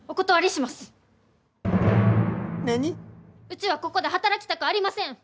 うちはここで働きたくありません！